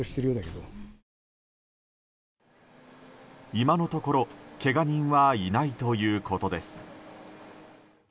今のところけが人はいないということです。